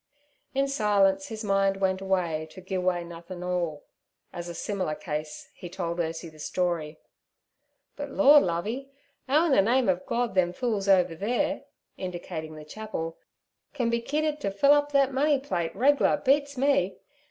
In silence his mind went away to 'Gi' Away Nothin"All' and as a similar case he told Ursie the story. 'But Lord, Lovey, 'ow in ther name of Gord them fools over theere' indicating the chapel, 'can be kidded ter fill up thet money plate reg'lar beats me.